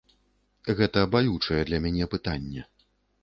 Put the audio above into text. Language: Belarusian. Гэта балючае для мяне пытанне.